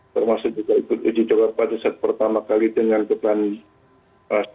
termasuk juga ikut uji coba tersebut pertama kali dengan depan stasiun